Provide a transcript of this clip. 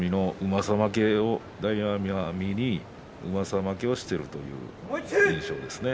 大奄美に、うまさ負けをしているという印象ですね。